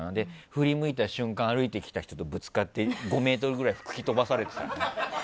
振り向いた瞬間歩いてきた人とぶつかって５ｍぐらい吹き飛ばされてたよね。